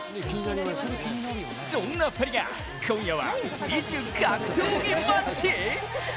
そんな２人が今夜は異種格闘技マッチ？